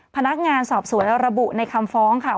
พนักงานสอบสวนระบุในคำฟ้องค่ะ